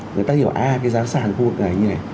người ta hiểu a cái giá sàn khu vực này như thế này